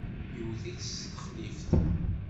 Yewwet-itt s texlift.